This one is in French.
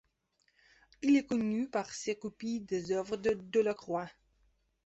Il est connu par ses copies des œuvres de Delacroix.